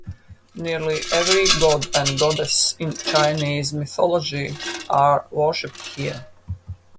Nearly every god and goddess in Chinese Mythology are worshipped here.